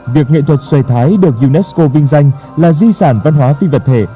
việc nghệ thuật xòe thái được unesco vinh danh là di sản văn hóa phi vật thể